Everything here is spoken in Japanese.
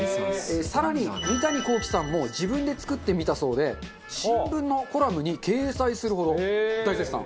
更に三谷幸喜さんも自分で作ってみたそうで新聞のコラムに掲載するほど大絶賛。